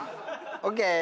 ＯＫ。